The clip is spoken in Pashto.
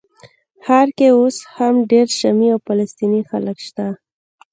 ښار کې اوس هم ډېر شامي او فلسطیني خلک شته.